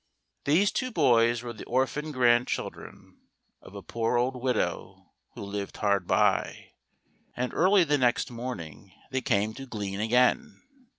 These two boys were the orphan grandchildren of a poor old widow who lived hard by, and early the next morning they came to glean again.